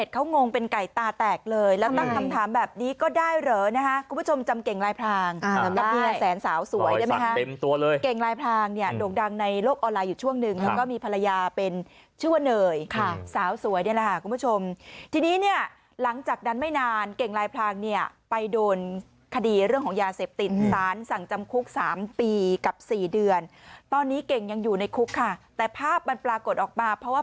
ค่ะสาวสวยนี่แหละค่ะคุณผู้ชมทีนี้เนี่ยหลังจากนั้นไม่นานเก่งลายพรางเนี่ยไปโดนคดีเรื่องของยาเสพตินต้านสั่งจำคุกสามปีกับสี่เดือนตอนนี้เก่งยังอยู่ในคุกค่ะแต่ภาพมันปรากฏออกมาเพราะว่า